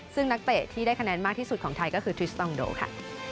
ซึ่งนักเตะที่ได้คะแนนมากที่สุดของไทยก็คือทริสตองโดค่ะ